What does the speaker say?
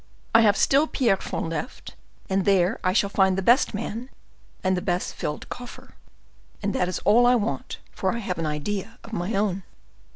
I have still Pierrefonds left, and there I shall find the best man and the best filled coffer. And that is all I want, for I have an idea of my own."